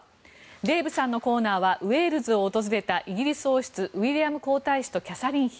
デーブさんのコーナーはウェールズを訪れたイギリス王室ウィリアム皇太子とキャサリン妃。